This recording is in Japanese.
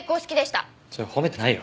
それ褒めてないよ。